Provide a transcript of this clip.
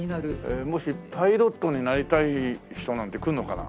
もしパイロットになりたい人なんて来るのかな？